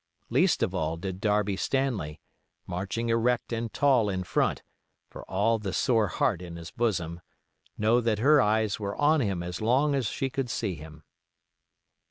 Least of all did Darby Stanley, marching erect and tall in front, for all the sore heart in his bosom, know that her eyes were on him as long as she could see him.